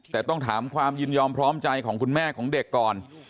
แต่ต้องถามความยินยอมพร้อมใจของคุณแม่ของเด็กก่อน